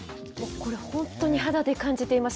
これ、本当に肌で感じています。